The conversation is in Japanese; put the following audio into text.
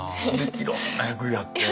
いろんな役やって。